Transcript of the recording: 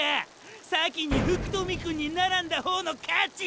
先に福富くんに並んだほうの勝ちや。